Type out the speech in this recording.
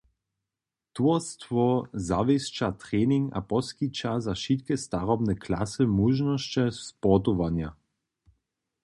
Towarstwo zawěsća trening a poskića za wšitke starobne klasy móžnosće sportowanja.